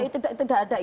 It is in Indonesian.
tidak ada itu